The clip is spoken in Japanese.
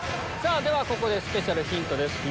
ここでスペシャルヒントです